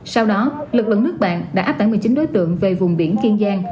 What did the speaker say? sau đó lực lượng nước bạn đã áp tải một mươi chín đối tượng về vùng biển kiên giang